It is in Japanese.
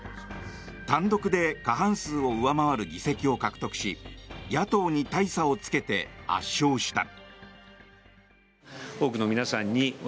単独で過半数を上回る議席を獲得し野党に大差をつけて圧勝した。